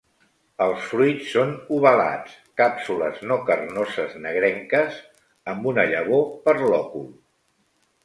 Els fruits són ovalats, càpsules no carnoses negrenques, amb una llavor per lòcul.